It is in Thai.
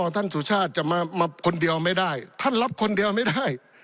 สุชาติจะมาคนเดียวไม่ได้ท่านรับคนเดียวไม่ได้